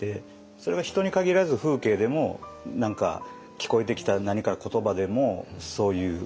それが人に限らず風景でも聞こえてきた何かの言葉でもそういう。